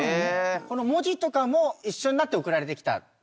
この文字とかも一緒になって送られてきた？